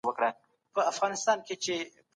ټکنالوژي بايد د انسانيت په ګټه وکارول سي.